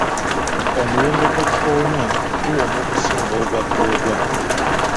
Omuyembe gwa kkoona guwooma okusinga ogwa googwa.